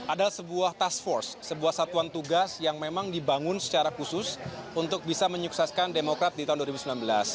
ada sebuah task force sebuah satuan tugas yang memang dibangun secara khusus untuk bisa menyukseskan demokrat di tahun dua ribu sembilan belas